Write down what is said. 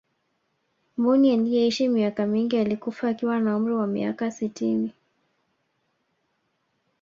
mbuni aliyeishi miaka mingi alikufa akiwa na umri wa miaka sitini